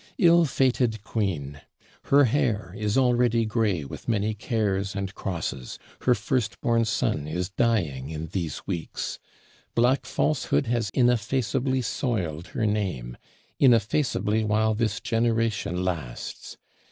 Ill fated Queen! Her hair is already gray with many cares and crosses; her first born son is dying in these weeks: black falsehood has ineffaceably soiled her name ineffaceably while this generation lasts.